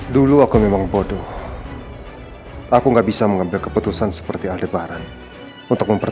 dan saya akan mencari istri saya kemana pun saya mau